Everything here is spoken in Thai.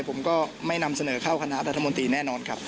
ผมก็ไม่นำเสนอเข้าคณะรัฐมนตรีแน่นอนครับ